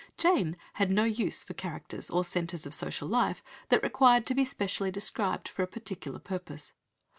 Jane had no use for characters, or centres of social life, that required to be specially described for a particular purpose.